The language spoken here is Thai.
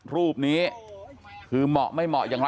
รูปนี้คือเหมาะไม่เหมาะอย่างไร